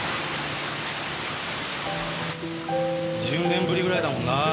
１０年ぶりぐらいだもんなぁ。